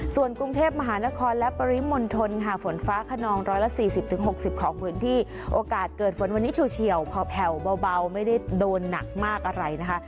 ส่วนกรุงเทพมหานครและปริมณฑลค่ะฝนฟ้าขนอง๑๔๐๖๐ของพื้นที่โอกาสเกิดฝนวันนี้เฉียวแผลวเบาไม่ได้โดนหนักมากอะไรนะคะ